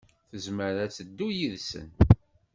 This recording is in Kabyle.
Tezmer ad teddu yid-sen.